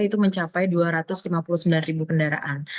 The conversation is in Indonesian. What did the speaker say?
itu mencapai dua ratus lima puluh sembilan ribu kendaraan